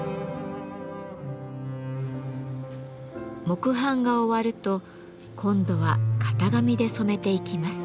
木版が終わると今度は型紙で染めていきます。